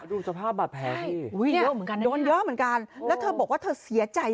ดูสภาพบาดแพ้ที่